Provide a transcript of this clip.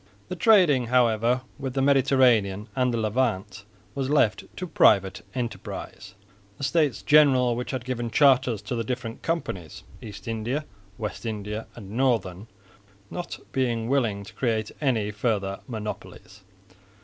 The trading however with the Mediterranean and the Levant was left to private enterprise, the States General which had given charters to the different Companies East India, West India and Northern not being willing to create any further monopolies.